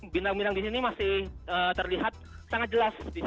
bintang bintang di sini masih terlihat sangat jelas